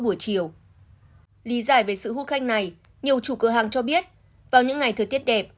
buổi chiều lý giải về sự hút khanh này nhiều chủ cửa hàng cho biết vào những ngày thời tiết đẹp